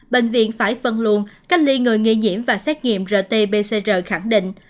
bệnh viện phải phân luồn cách ly người nghi nhiễm và xét nghiệm rt pcr khẳng định